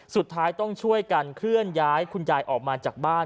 สุดท้ายต้องช่วยกันเคลื่อนย้ายคุณยายออกมาจากบ้าน